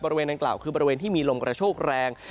บริเวณดังกล่าวคือบริเวณที่มีลมกระโชคแรง